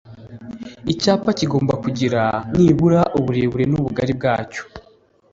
Icyapa kigomba kugira nibura uburebure n’ ubugari bwacyo